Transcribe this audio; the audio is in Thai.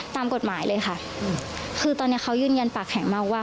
ตามกฎหมายเลยค่ะคือตอนนี้เขายืนยันปากแข็งมากว่า